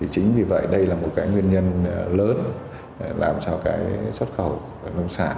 chính vì vậy đây là một nguyên nhân lớn làm cho xuất khẩu nông sản